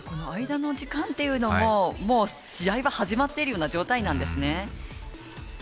間の時間っていうのも試合が始まっているような状態なんですね。